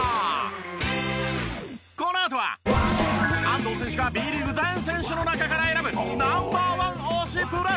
このあとは安藤選手がＢリーグ全選手の中から選ぶナンバー１推しプレ。